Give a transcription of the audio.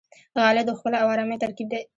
غالۍ د ښکلا او آرامۍ ترکیب دی.